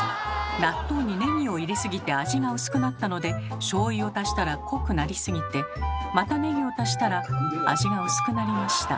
納豆にネギを入れすぎて味が薄くなったのでしょうゆを足したら濃くなりすぎてまたネギを足したら味が薄くなりました。